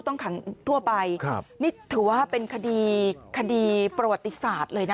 นี่ถือว่าเป็นคดีประวัติศาสตร์เลยนะ